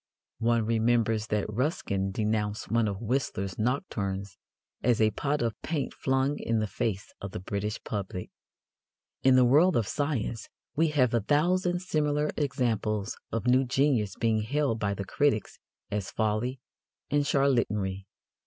One remembers that Ruskin denounced one of Whistler's nocturnes as a pot of paint flung in the face of the British public. In the world of science we have a thousand similar examples of new genius being hailed by the critics as folly and charlatanry.